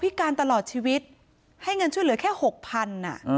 พิการตลอดชีวิตให้เงินช่วยเหลือแค่๖๐๐๐บาท